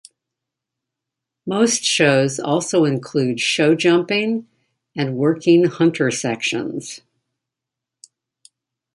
Most shows also include show jumping and working hunter sections.